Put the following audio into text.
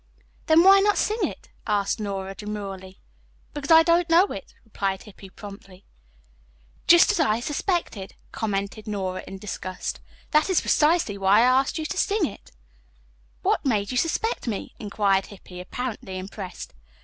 "Then, why not sing it?" asked Nora demurely. "Because I don't know it," replied Hippy promptly. "Just as I suspected," commented Nora in disgust. "That is precisely why I asked you to sing." "What made you suspect me?" inquired Hippy, apparently impressed.